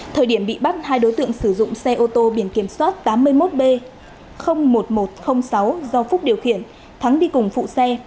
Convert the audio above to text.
thời điểm bị bắt hai đối tượng sử dụng xe ô tô biển kiểm soát tám mươi một b một nghìn một trăm linh sáu do phúc điều khiển thắng đi cùng phụ xe